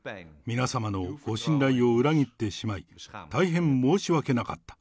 皆様のご信頼を裏切ってしまい、大変申し訳なかった。